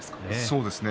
そうですね。